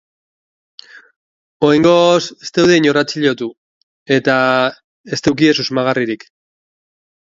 Oraingoz ez dute inor atxilotu, eta ez dute susmagarririk.